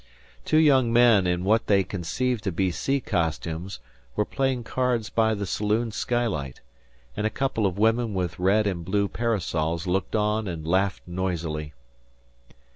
Two young men in what they conceived to be sea costumes were playing cards by the saloon skylight; and a couple of women with red and blue parasols looked on and laughed noisily.